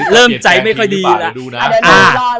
เริ่มใจไม่ค่อยดีแล้ว